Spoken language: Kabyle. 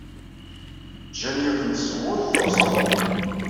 Ǧǧan yiwet n tzewwut terẓem.